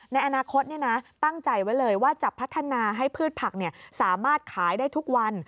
ในอนาคตตั้งใจไว้เลยว่าจะพัฒนาให้พืชผักสามารถขายได้ทุกวัน